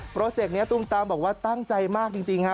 โปรเศกเนี่ยตูมตามบอกว่าตั้งใจมากจริงฮะ